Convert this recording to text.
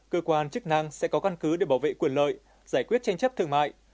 cơ quan chức năng sẽ có căn cứ để bảo vệ quyền lợi giải quyết tranh chấp thương mại